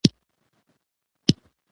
غرمه د مینې، دعا او ډوډۍ وخت دی